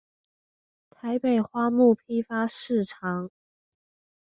台北花木批發市場